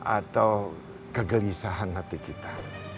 atau kegelisahan hati kita